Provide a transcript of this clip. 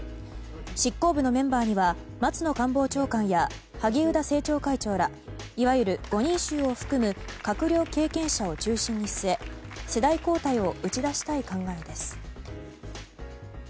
執行部のメンバーには松野官房長官や萩生田政調会長らいわゆる５人衆を含む閣僚経験者を中心に据え世代交代を打ち出したい考えです。